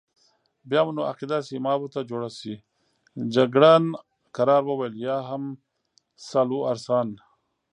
بیا مو نو عقیده سیمابو ته جوړه شي، جګړن کرار وویل: یا هم سالوارسان.